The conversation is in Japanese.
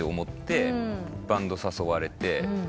バンド誘われて。